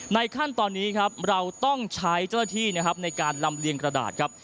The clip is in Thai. ขั้นตอนนี้ครับเราต้องใช้เจ้าหน้าที่นะครับในการลำเลียงกระดาษครับ